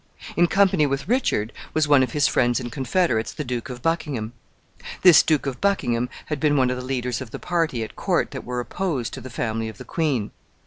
In company with Richard was one of his friends and confederates, the Duke of Buckingham. This Duke of Buckingham had been one of the leaders of the party at court that were opposed to the family of the queen.